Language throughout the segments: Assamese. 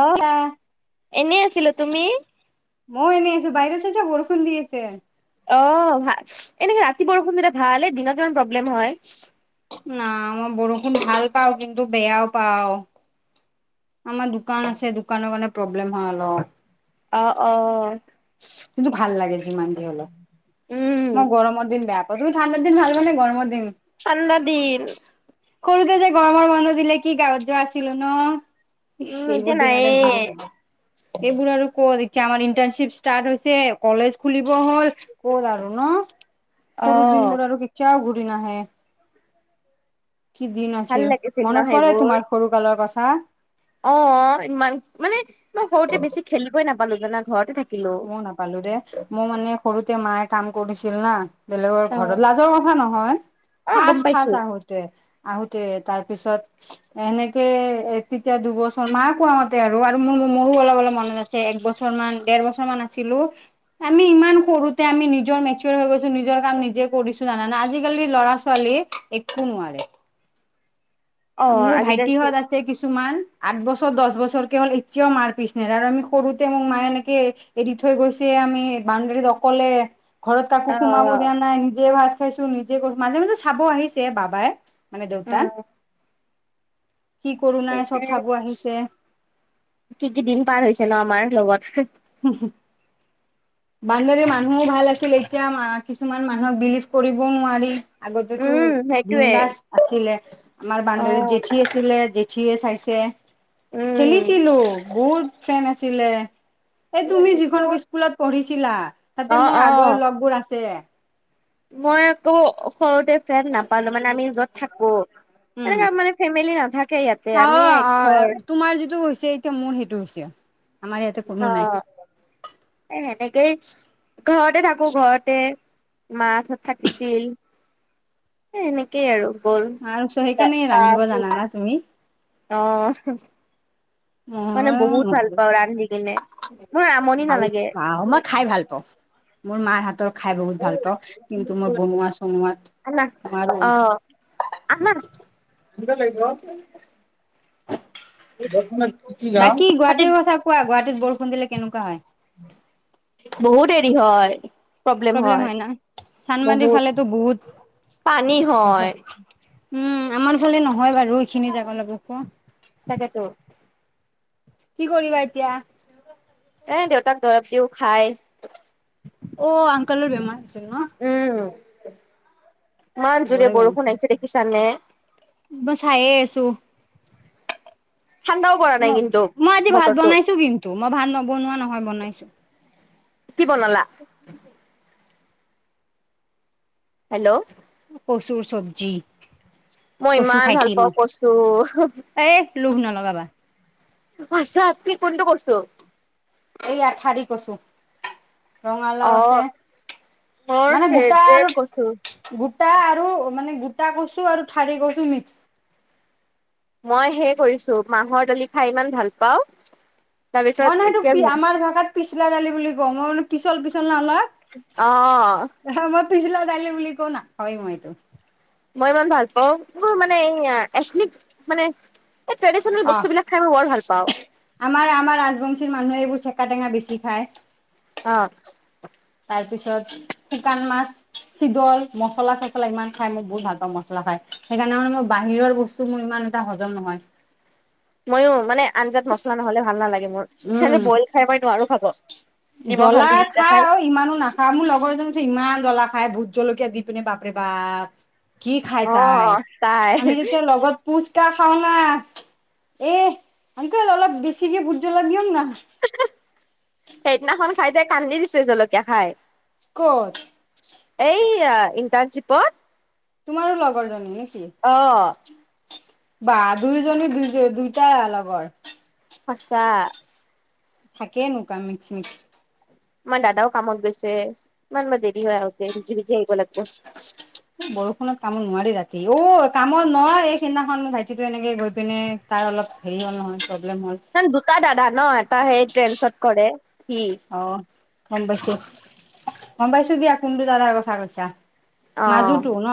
অ ময়ো এনেই আছিলো। তুমি? মই এনে আছো বাহিৰত চাইচা বৰষুণ দি আছে অ, ভাল এনেকে ৰাতি বৰষুণ যে ভাল এ দিনত ইমান প্ৰব্লেম হয়। না মই বৰষুণ ভাল পাওঁ কিন্তু বেয়াও পাওঁ। আমাৰ দোকান আছে, দোকানৰ মানে প্ৰব্লেম হয় অলপ। অ অ। কিন্তু ভাল লাগে যিমান দিন হলোঁ উম মই গৰমৰ দিন বেয়া অ তুমি ঠাণ্ডাৰ দিন ভাল‌পোৱা নে গৰমৰ দিন? ঠাণ্ডা দিন। সৰুতে যে গৰমৰ বন্ধ দিলে কি গাঁৱত যোৱা আছিলো ন? ইচ্ উম সেইবোৰ এতিয়া দিন আৰু নাইয়ে ঘূৰি নাহে এইবোৰ আৰু ক'ত এতিয়া আমাৰ ইণ্টাৰশ্বিপ ষ্টাৰ্ট হৈছে কলেজ খুলিব হ'ল ক'ত আৰু ন সৰু দিন অ' বোৰ আৰু কেতিয়াও ঘূৰি নাহে কি দিন ভাল আছিল, লাগিছিল ন মনত পৰে সেইবোৰ তোমাৰ সৰু কালৰ কথা? অ ইমান মানে মই সৰুতে বেছি খেলিবই নাপালো জানা ঘৰতে থাকিলো। ময়ো নাপালো দেই মোৰ মানে সৰুতে মায়ে কাম কৰিছিল না। বেলেগৰ অ' ঘৰত লাজৰ কথা নহয় অ' ফাচ গম ফাচ পাইছো আহো তে আহোতে তাৰ পিছত, এনেকে এ, তেতিয়া দুবছৰ মাই কোৱা মতে আৰু আৰু মো মো মোৰো অলপ অলপ মন আছ ছে এক বছৰ মান দেৰ বছৰ মান আছিলোঁ। আমি ইমান সৰুতে আমি নিজৰ মেচোৱৰ হৈ গৈছো নিজৰ কাম নিজে কৰিছো জানানা আজিকালি ল'ৰা ছোৱালী, একো নোৱাৰে। অ' মোৰ আজিকালি চোন ভাইটিহঁত আছে কিছুমান আঠ বছৰ দহ বছৰ কে হ'ল এতিয়াও মাৰ পিছ নেৰে আৰু আমি সৰুতে মোক মায়ে এনেকে এৰি থৈ গৈছে আমি বাউণ্ডেৰীত অকলে ঘৰত কাকো সোমাব অ' দিয়া নাই নিজে ভাত খাইছো নিজে কৰিছো মাজে মাজে চাব আহিছে বাবাই। মানে দেউতা। অ' কি কৰো নাই সেইটোৱে চব চাব আহিছে। কি কি দিন পাৰ হৈছে ন আমাৰ লগত হু হু বাউণ্ডেৰী মানুহো ভাল আছিল এতিয়া কিছুমান মানুহক বিলিভ কৰিবও নোৱাৰি। আগতেতো উম সেইটোৱে বিন্দাছ আছিলে আমাৰ বাউণ্ডেৰী অ' যি টি আছিলে জেঠিয়ে চাইছে উম খেলিছিলো বহুত, ফ্ৰেন আছিলে এই তুমি যিখন মোৰ স্কুলত পঢ়িছিলা। তাতে অ', মোৰ আগৰ অ', লগবোৰ আছে মই আকৌ সৰুতে ফ্ৰেণ্ড নাপালো মানে আমি যত থাকো উম এনেকে মানে ফেমিলি নাথাকে ইয়াতে অ আমিয়ে এক অ ঘৰ তোমাৰ যিটো হৈছে এতিয়া মোৰ সেইটো হৈছে। আমাৰ ইয়াতে কোনো অ নাই সেনেকেই ঘৰতে থাকো ঘৰতে মা থত থাকিছিল এ এনেকেই আৰু গ'ল আৰু চ তা সেইকাৰণে ৰান্ধিব জানানা তুমি আছিল অ মানে মই বহুত ভাল নোৱাৰো পাও ৰান্ধি কিনে মোৰ আমনি ভাল নালাগে। পাওঁ মই খাই ভাল পাওঁ। মোৰ মাৰ হাতৰ খাই বহুত ভাল পাওঁ কিন্তু মই বনোৱা চনোৱাত নোৱাৰোঁ আমাৰ দুটা লাগিব। বাকী গুৱাহাটীৰ কথা কোৱা গুৱাহাটীত বৰষুণ দিলে কেনেকুৱা হয় [unintelligible] বহুত দেৰি হয় প্ৰব্লেম হয় ন চান্দমাৰীৰ বহুত ফালেতো পানী বহুত হয় উম আমাৰ ফালে নহয় বাৰু এইখিনি যাব [unintelligible] তাকেতো কি কৰিবা এতিয়া? এ দেউতাক দৰৱ দিও খাই। অ আংকলৰ বেমাৰ হৈছিল ন? উম ইমান জোৰে চবৰে বৰষুণ আহিছে দেখিছানে? বই চায়ে আছো ঠাণ্ডাও পৰা ম নাই কিন্তু মই আজি ভাত বতৰটো বনাইছো কিন্তু মই ভাত নবনোৱা নহয় বনাইছো। কি বনালা? হেল্ল'! কচুৰ চব্জি। মই কচু ইমান ভাল খাইছি পাওঁ মই কচু হু। এ লোভ নলগাবা। আছা আছি ফোনটো কৰছো। এইয়াঠাৰি কছো। অ ৰঙালাও আছে মোৰ মানে গোটা ফেভৰেট আৰু কচু গোটা আৰু মানে গোটা কচু আৰু থাৰি কচু মিক্স মই সেই কৰিছো, মাহৰ দালি খাই ইমান ভাল পাওঁ তাৰপিছত মই নহয় এই এতিয়া তোক আমাৰ ভাষাত পিছলা দালি বুলি কও, মই মানো পিছল - পিছল নহলয়। অ। অহ মই পিছলা দালি বুলি কও নাখাওৱে মই এইটো। মই ইমান ভাল পাওঁ, মোৰ মানে এয়া একলিট মানে এই ট্ৰেডিচনেল অ বস্তুবিলাক খাই বৰ ভাল পাওঁ। আমাৰ আমাৰ ৰাজবংশীৰ মানুহে এইবোৰ চেকা টেঙা বেছি খায়। অ। তাৰপিছত শুকান মাছ শিডল, মছলা- চচলা ইমান খাই মই বহুত ভাল পাওঁ মছলা খাই সেইকাৰণে মানে মই বাহিৰৰ বস টো মোৰ ইমান এটা হজম নহয়। মইয়ো মানে আঞ্জাত মছলা নহ'লে ভাল নালাগে মোৰ, উম চিলৰি বইল খাই মই নোৱাৰো খাব। নিমখ জ্বলা হালধি দি যে খাই খাওঁ ইমানো না খা মোৰ লগৰ এজনী আছে ইমান জ্বলা খাই ভোট জলকীয়া দি পিনে বাপৰে বাপ! কি খাই অ তাই, তাই আমি যেতিয়া লগত ফুচকা খাওঁ না, এ আংকুল অলপ বেছি যে ভুটজলক দিয়ক না? হা হা, সেইদিনাখন খাই যে কান্দি দিছে জলকীয়া খাই। ক'ত? এই আ ইণ্টাৰ্ণশ্বিপত। তোমাৰো লগৰজনী নেকি? অ বা দুইজনী দুই দুইটাই লগৰ। সঁচা। থাকে এনেকুৱা মিক্স - মিক্স। আমাৰ দাদাও কামত গৈছে, ইমান বা দেৰি হয় আহোতে বুজি - বুজি আহিব লাগিব। বৰষুণত কামত নোৱাৰি ৰাতি, অ কামত নয় এই সিদিনাখন ভাইটিটো এনেকে গৈ পিনে তাৰ অলপ হেৰি হ'ল নহয় প্ৰব্লেম হ'ল। ইমান দুটা দাদা ন, এটা সেই ট্ৰেনছত কৰে সি অ গম পাইছো, গম পাইছো দিয়া কোনটো দাদাৰ কথা কৈছা। অ মাজোটো ন?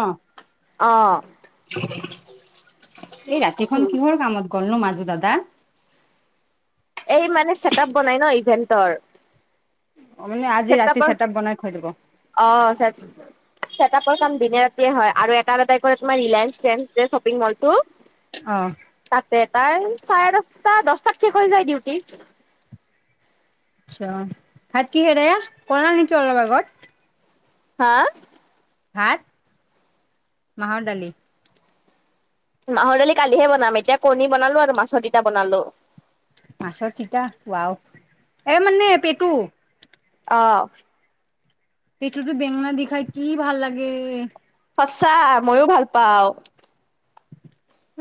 অ এই ৰাতিখন কিহৰ কামত গ'ল নো মাজু দাদা? এই মানে ছেট আপ বনাই ন ইভেণ্টৰ। অ মানে আজি ৰাতি চেতাপ বনাই থৈ দিব। অ চেট - চেটআপৰ কাম দিনে ৰাতিয়ে হয় আৰু এটা দাদাই কৰে তোমাৰ ৰিলায়েঞ্চ ফ্ৰেন যে শ্বপিং মলটো অ। তাতে তাই চাৰে দশটা দচটাত শেষ হৈ যায় ডিউটি। আঁচ্ছা, ভাত কি হেৰায়া কলা নেকি অলপ আগত? হা? ভাত মাহৰ ডালি। মাহৰ দালি কালিহে বনাম এতিয়া কণী বনালো আৰু মাছৰ তিটা বনালো। মাছৰ তিতা ওৱাও, এ মানে পেটু অ', সেইটোত বেঙনা দি খাই কি ভাল লাগে। সঁচা মইয়ো ভাল পাও।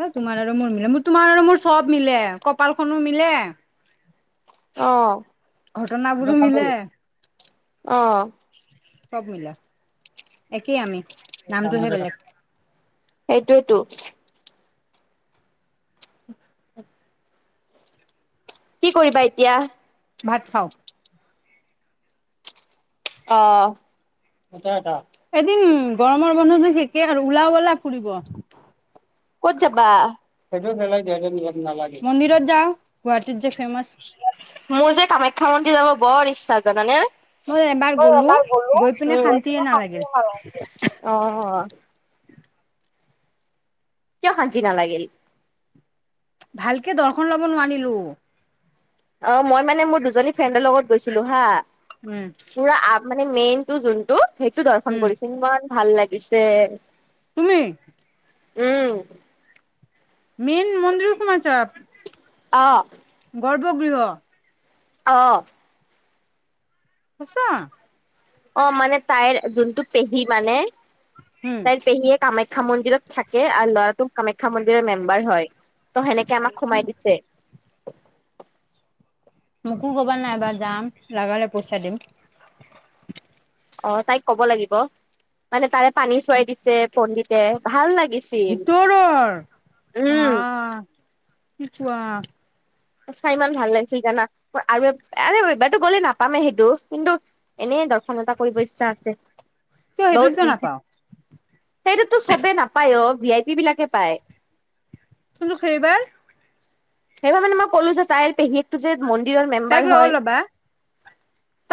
অ, তোমাৰ আৰু মোৰ মিলে মোৰ-তোমাৰ আৰু মোৰ চব মিলে কপালখনো মিলে। অ', ঘটনাবোৰো মিলে অ', সব মিলা একেই আমি। নামটোহে বেলেগ সেইটোয়েতো। কি কৰিবা এতিয়া? ভাত খাও। অ, সেইটোৱেতো। এদিন গৰমৰ বন্ধটো সেকে আৰু ওলাও বলা ফুৰিব। ক'ত যাবা? মন্দিৰত যাও গুৱাহাটীত যে ফেমছ। মোৰ যে কামাখ্যা মন্দিৰ যাব বৰ ইচ্ছা জানানে? মই মই গ'লো এবাৰ গলো গৈ শান্তিয়ে পিনে নালাগিল শান্তি আৰু অ, কিয় শান্তি নালাগিল। ভালকে দৰ্শন লব নোৱাৰিলো। অ, মই মানে মোৰ দুজনী ফ্ৰেণ্ডৰ লগত গৈছিলো হা। কোনে? পুৰা আ মানে মেইন টো যোনতটো সেইটো দৰ্শন উম কৰিছে ইমান ভাল লাগিছে। তুমি? উম, মেইন মন্দিৰ সোমাইছা? অ', গৰ্ভগৃহ। অ', সচা অ, মানে তাইৰ যোনটো পেহী মানে উম তাইৰ পেহীয়েক কামাখ্যা মন্দিৰত থাকে আৰু ল'ৰাটো কামাখ্যা মন্দিৰৰ মেম্বাৰ হয়। ত সেনেকে আমাক সোমাই দিছে। মোকো ক'বা নাইবাৰ যাম লগালে পইচা দিম। অ, তাইক কব লাগিব মানে তাৰে পানী চোৱাই দিছে পণ্ডিতে ভাল লাগিছে। ভিতৰৰ বা কি কোৱা? চাই ইমান ভাল লাগিছিল জানা আৰু এইবাৰো গলে নাপামেই সেইটো কিন্তু এনেই দৰ্শন এতটা কৰিব ইচ্ছা আছে। কিয় সেইটোত বহুত কিয় হৈছে নাপাও সেইটোতো চবে নাপায় অ, ভি আই পি বিলাকে পায়। কিন্তু সেইবাৰ সেইবাবে মানে মই ক'লো যে তাইৰ পেহীয়েকটো যে মন্দিৰৰ তাইক মেম্বাৰ লগত হয়। ল'বা।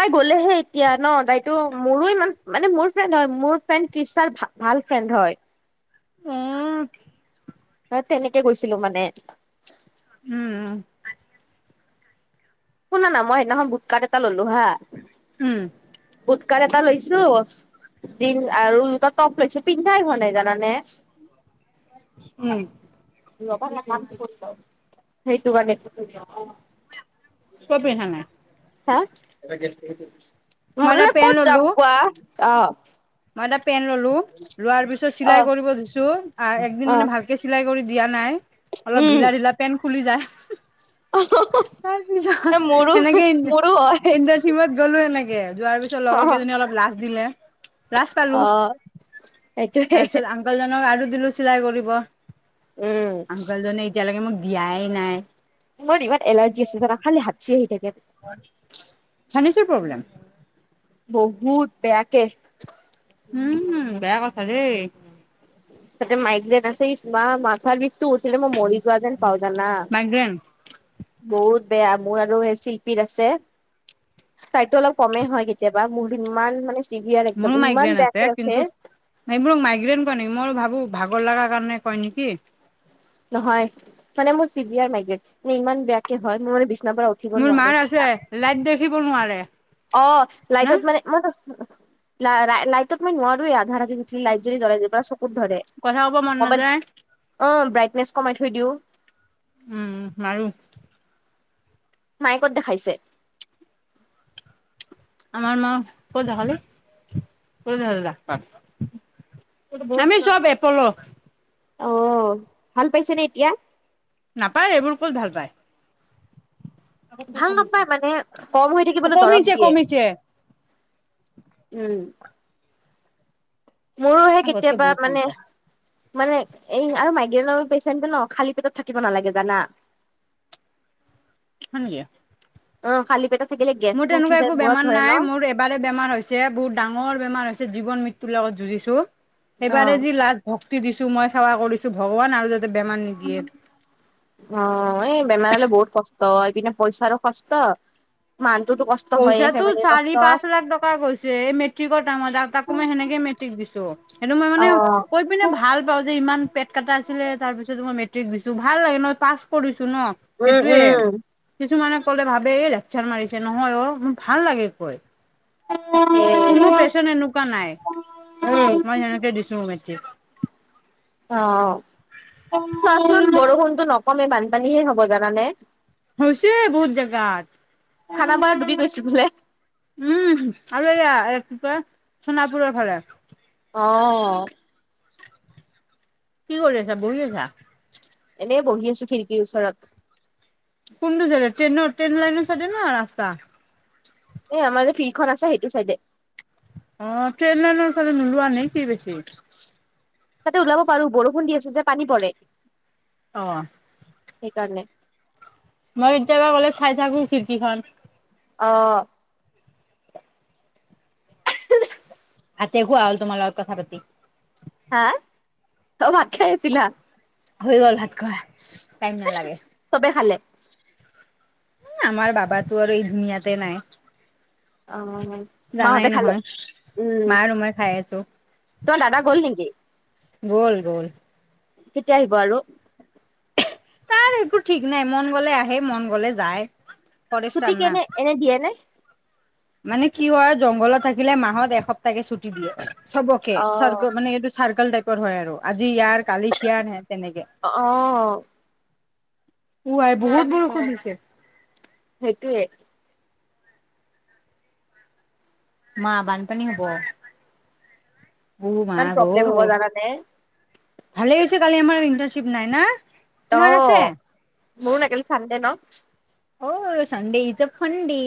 তাই গ'লেহে এতিয়া ন তাইতো মোৰো ইমান মানে মোৰ ফ্ৰেণ্ড হয় মোৰ ফ্ৰেণ্ড তিচাৰ ভা ভাল ফ্ৰেণ্ড হয়। অ', অ, তেনেকে গৈছিলো মানে। উম, শুনা না মই সেইদিনাখন বুট কাৰ্ড এটা ললো হা। উম বুট কাৰ্ড এটা লৈছো। জিন আৰু দুটা টপ লৈছো পিন্ধাই হোৱা নাই জানানে। হয় উম [unintelligible] [unintelligible] সেইটো মানে কিয় পিন্ধা নাই? হা মই এটা মানে পেন ক'ত যাম ললো কোৱা? অ, মই এটা পেনট ললো লোৱাৰ পিছত অ চিলাই কৰিব ধুছো একদিন অ মানে ভাল চিলাই কৰি দিয়া নাই অলপ ঢিলা ঢিলা পেন খুলি যায়। অ হ তাৰপিছত এনেকেই ইনে মোৰো হয় কেন্দাৰ চিমত গ'লো এনেকে যোৱাৰ পিছত লগৰ কেইজনী অ অলপ লাজ দিলে। লাজ পালো সেইটোয়ে তাৰপিছত আ- কলজনক আৰু দিলো চিলাই কৰিব, উম আংকলজনে এতিয়ালৈকে মোক দিয়াই নাই। মোৰ দিভাত এলাৰ্জ আ জানো খাল হাচি আহি থাকে। চানিছৰ প্ৰব্লেম বহুত বেয়াকে উম বেয়া কথা দেই। তাতে মাইগ্ৰেন আছে মা মাথাৰ বিষটো উঠিলে মই মৰি যোৱা যেন পাওঁ জানা। মাইগ্ৰেন বহুত বেয়া মোৰ আৰু সেই শিল্পীৰ আছে। তাইটো অলপ কমেই হয় কেতিয়াবা মোৰ ইমান মানে চিৰিয়াৰ একদম ইমান আছে বেয়াকে উঠে। কিন্তু এইবোৰ মাইগ্ৰেন কয় নেকি মই ভাবো ভাগৰ লগা কাৰণে কয় নেকি? নহয় মানে মোৰ চি বি আৰ মাইগ্ৰেট মানে ইমান বেয়াকে হয় মোৰ মানে বিছনা পৰা উ- মোৰ মাৰ আছে লাইট দেখিব নোৱাৰে। অ না লাইটত মানে মইত লাইটত মই নোৱাৰোৱে আধা ৰাতি লাইট যদি জ্বলাই দি পা চকুত, কথা ক'ব মন ম'বাইল, নাযায় অ বাইটনেচ কমাই থৈ দিওঁ। উম মাৰো। মায় ক'ত দেখাইছে? আমাৰ মা, ক'ত দেখালি? [unintelligible] আমি চব এপল অ ভাল পাইছে নে এতিয়া? নাপায়, এইবোৰ ক'ত ভাল পায়। ভাল নাপায় মানে কম হৈ থাকিবলৈ দৰৱ কমিছে দিয়ে। কমিছে উম। মোৰোহে আগতকে কেতিয়াবা বহুত মানে কমিছে মানে এই আৰু মাইগ্ৰেইনৰ পেচেণ্টটো ন খালী পেটত থাকিব নালাগে জানা। [inaudible] হয় নেকি? অ খালি পেটত থাকিলে গেছটো উঠি যায় মূৰত ধৰে ন। বাৰে বেমাৰ হৈছে বহুত ডাঙৰ বেমাৰ হৈছে জীৱন মৃত্যু লগত যুঁজিছো। সেইবাৰে অ'। যি লাষ্ট ভক্তি দিছো মই সেৱা কৰিছো ভগৱান আৰু যাতে বেমাৰ নিদিয়ে। অ এ বেমাৰ হলে বহুত কষ্ট এইপিনে পইচাৰো খষ্ট মানু্হটোটো কষ্ট পইচাটো চাৰি পাঁচ লাখ টকা গৈছে এই মেট্ৰিকৰ টাইমত আৰু তাকো মই সেনেকে মেট্ৰিক দিছোঁ। সেইটো মই মানে অ'। কৈ পিনে ভাল পাও যে ইমান পেট কটা আছিলে তাৰ পিছত মই মেট্ৰিক দিছো ভাল লাগে ন পাছ কৰিছো ন। উম, সেইটোয়ে উম, কিছুমানে কলে ভাবে এই লেকচাৰ মাৰিছে নহয় অ মোৰ ভাল লাগে কৈ। কোনো পেচেন এনেকুৱা নাই উম, মই যেনেকে দিছোঁ মেট্ৰিক। অ চোৱাচোন বৰষুণতো নকমেই বানপানী হে হব জানানে। হৈছে বহুত জেগাত। খানা পাৰা দুুবি গৈছে বোলে। উম আৰু এইয়া কি কয় সোণাপুৰৰ ফালে। অ। কি কৰি আছা, বহি আছা? এনেই বহি আছো খিৰিকীৰ ওচৰত। কোনটো জেগাত ট্ৰেন লাইনৰ চাইদে না ৰাস্তা? এ আমাৰ যে ফিল্ড খন আছে সেইটো চাইডে। অ' ট্ৰেন লাইনৰ ফালে নোলোৱা নেকি বেছি? তাতে ওলাব পাৰো বৰষুণ দি আছে যে পানী পৰে। অ'। সেইকাৰণে। মই কেতিয়াবা গলে চাই থাকো খিৰকিখন। অ'। ভাতে খোৱা হল তোমাৰ লগত কথা পাতি। হা ও ভাত খাই আছিলা? হৈ গ'ল ভাত খোৱা টাইম নালাগে। চবে খালে? এ আমাৰ বাবাটো আৰু এই দুনীয়াতে নাই। অ' মা জানাই হতে খালে নহয় উম। মা আৰু মই খাই আছো তোমাৰ দাদা গ'ল নেকি? গল-গল। কেতিয়া আহিব আৰু? তাৰ একো ঠিক নাই মন গলে আহে মন গলে যায়। চুতি ফৰেষ্টাৰ না কেনে এনে দিয়ে নে? মানে কি হয় জংঘলত থাকিলে মাহত একসপ্তাহকে ছুটি দিয়ে। চবকে অ চাৰ্কল মানে এইটো চাৰ্কল টাইপৰ হয় আৰু আজি ইয়াৰ কালি হিয়াৰ [unintelligible] তেনেকে। অ ও ৱাই বহুত বৰষুণ দিছে। সেইটোৱে। মা বানপানী হব, ও মা। [unintelligible] তানে ভালেই হৈছে কালি আমাৰ ইন্টাৰ্নছিপ নাই না। অ' তোমাৰ আছে [unintelligible] কালি চানদে ন? অ' চানদে ইজ আ ফাঁদে।